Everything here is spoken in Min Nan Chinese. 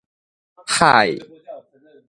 海